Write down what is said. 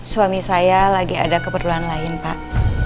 suami saya lagi ada keperluan lain pak